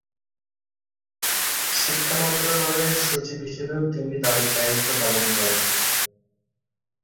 শিক্ষা মন্ত্রণালয়ের সচিব হিসেবেও তিনি দায়িত্ব পালন করেন।